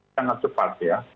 sangat cepat ya